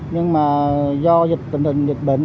nhưng mà do dịch tình hình dịch bệnh